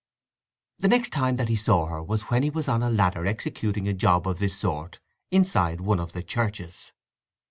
The next time that he saw her was when he was on a ladder executing a job of this sort inside one of the churches.